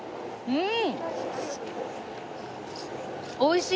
うん！